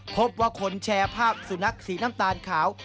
พบว่าคนแชร์ภาพสุนัขสีน้ำตาลขาว